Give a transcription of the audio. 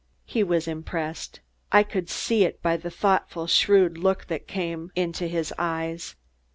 He was impressed. I could see it by the thoughtful, shrewd look that, came into his eyes.